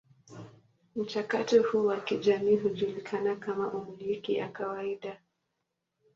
Mchakato huu wa kijamii hujulikana kama umiliki wa kawaida.